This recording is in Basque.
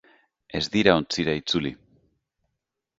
Ez dira ontzira itzuli.